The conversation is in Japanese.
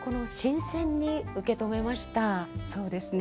そうですね。